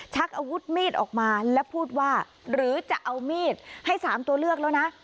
ชักอาวุธมีดออกมาแล้วพูดว่าหรือจะเอามีดให้๓ตัวเลือกแล้วนะ